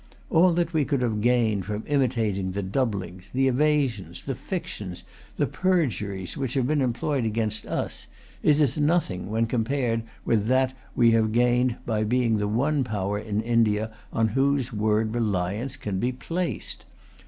All that we could have gained by imitating the doublings, the evasions, the fictions, the perjuries which have been employed against us, is as nothing, when compared with what we have gained by being the one power in India on whose word reliance can be placed.